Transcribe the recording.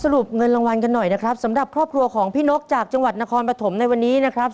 รุปเงินรางวัลกันหน่อยนะครับสำหรับครอบครัวของพี่นกจากจังหวัดนครปฐมในวันนี้นะครับ